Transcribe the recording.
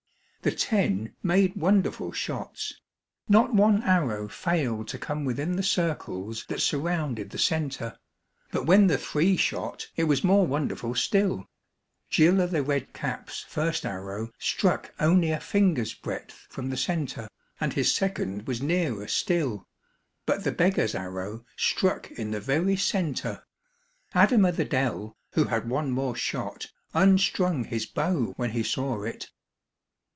The ten made wonderful shots. Not one arrow failed to come within the circles that surrounded the center. But when the three shot, it was more wonderful still. Gill o' the Red Cap's first arrow struck only a finger's breadth from the center, and his second was nearer still. But the beggar's arrow struck in the very center. Adam o' the Dell, who had one more shot, unstrung his bow when he saw it.